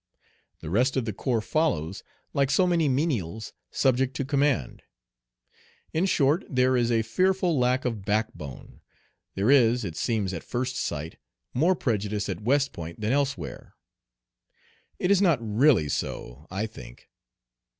The rest of the corps follows like so many menials subject to command. In short, there is a fearful lack of backbone. There is, it seems at first sight, more prejudice at West Point than elsewhere. It is not really so I think.